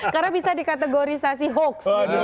karena bisa dikategorisasi hoax